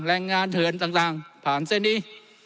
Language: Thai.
และงานเถิญต่างผ่านเส้นนี้